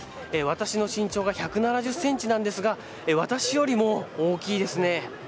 私の身長が１７０ｃｍなんですが私よりも大きいですね。